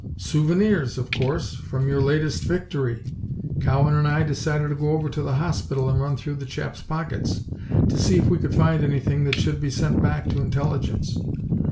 "Souvenirs, of course! From your latest victory. Cowan and I decided to go over to the hospital and run through the chap's pockets to see if we could find anything that should be sent back to Intelligence.